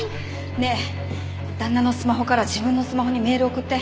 ねえ旦那のスマホから自分のスマホにメール送って。